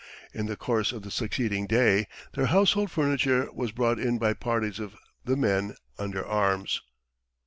In the course of the succeeding day their household furniture was brought in by parties of the men under arms."